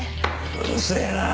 うるせえなあ！